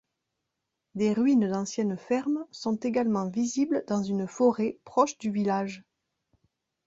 Des ruines d'anciennes fermes sont également visibles dans une forêt proche du village.